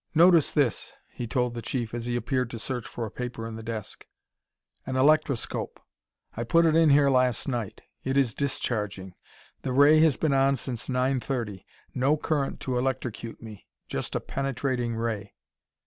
"Notice this," he told the Chief as he appeared to search for a paper in the desk. "An electroscope; I put it in here last night. It is discharging. The ray has been on since nine thirty. No current to electrocute me just a penetrating ray."